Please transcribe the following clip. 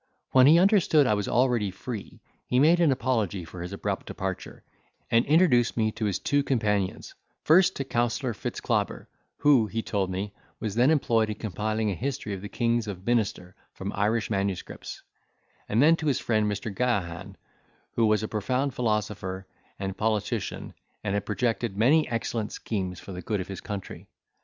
When he understood I was already free he made an apology for his abrupt departure, and introduced me to his two companions: First, to Counsellor Fitzclabber, who, he told me, was then employed in compiling a history of the kings of Minster, from Irish manuscripts; and then to his friend Mr. Gahagan, who was a profound philosopher and politician, and had projected many excellent schemes for the good of his country.